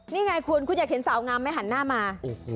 นี่ไงคุณคุณอยากเห็นสาวงามไหมหันหน้ามา